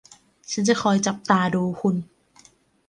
ฉันจะคอยจับตาดูคุณ